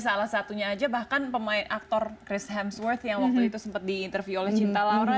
salah satunya aja bahkan pemain aktor chris hamsword yang waktu itu sempat diinterview oleh cinta laura